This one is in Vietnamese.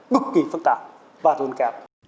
được kỳ phức tạp và luôn kẹp